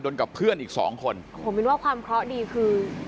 ดนกับเพื่อนอีกสองคนผมนึกว่าความเคราะห์ดีคือ